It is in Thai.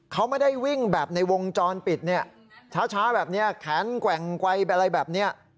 เขาไม่ได้วิ่งแบบในวงจรปิดเนี่ยช้าแบบนี้แขนแกว่งไวไปอะไรแบบนี้